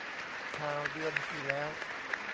ข่าวเดือนที่แล้ว